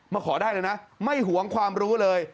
ขอได้เลยนะไม่หวงความรู้เลย